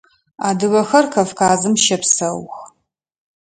Адыгэхэр Кавказым щэпсэух.